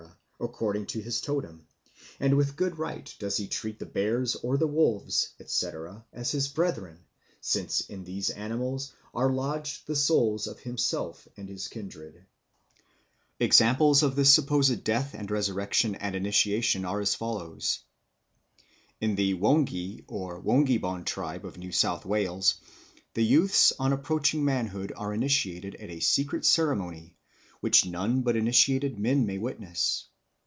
according to his totem; and with good right does he treat the bears or the wolves, etc., as his brethren, since in these animals are lodged the souls of himself and his kindred. Examples of this supposed death and resurrection at initiation are as follows. In the Wonghi or Wonghibon tribe of New South Wales the youths on approaching manhood are initiated at a secret ceremony, which none but initiated men may witness.